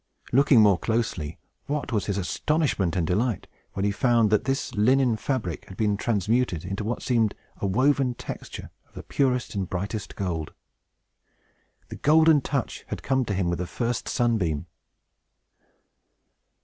Looking more closely, what was his astonishment and delight, when he found that this linen fabric had been transmuted to what seemed a woven texture of the purest and brightest gold! The Golden Touch had come to him with the first sunbeam!